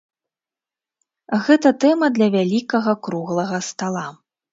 Гэта тэма для вялікага круглага стала.